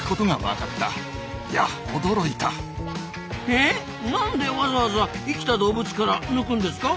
えっなんでわざわざ生きた動物から抜くんですか？